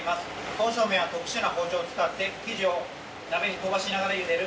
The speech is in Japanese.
刀削麺は特殊な包丁を使って生地を鍋に飛ばしながらゆでる